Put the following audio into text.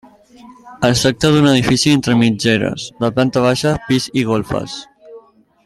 Es tracta d'un edifici entre mitgeres, de planta baixa, pis i golfes.